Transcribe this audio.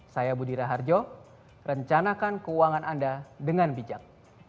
saya budira harjo rencanakan keuangan anda dengan bijak